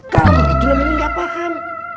kalau begitu ini gak paham